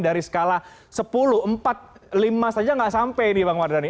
dari skala sepuluh empat lima saja nggak sampai nih bang mardhani